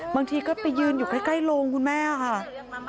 บางทีก็ไปยืนอยู่ใกล้โรงคุณแม่ค่ะ